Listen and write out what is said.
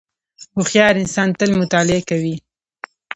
• هوښیار انسان تل مطالعه کوي.